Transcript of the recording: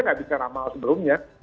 tidak bisa ramal sebelumnya